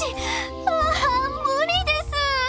ああ無理です！